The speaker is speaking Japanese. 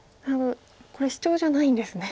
これシチョウじゃないんですね。